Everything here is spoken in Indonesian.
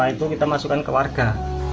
itu kita masukkan ke warga